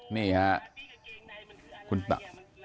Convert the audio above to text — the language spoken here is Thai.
มันผิดภาละกรจริงหรือเปล่า